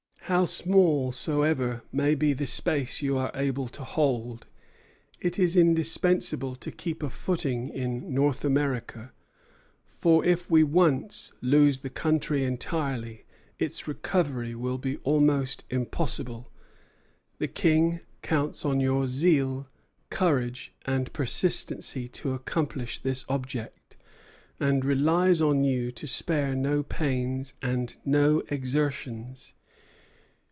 How small soever may be the space you are able to hold, it is indispensable to keep a footing in North America; for if we once lose the country entirely, its recovery will be almost impossible. The King counts on your zeal, courage, and persistency to accomplish this object, and relies on you to spare no pains and no exertions.